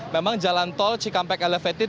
memang jalan tol cikampek elevated